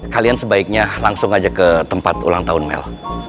kalian sebaiknya langsung aja ke tempat ulang tahun mel